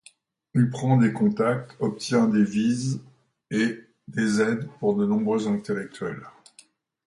Il prend des contacts, obtient des vises et des aides pour de nombreux intellectuels.